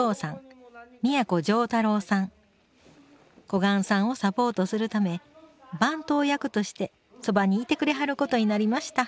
小雁さんをサポートするため番頭役としてそばにいてくれはることになりました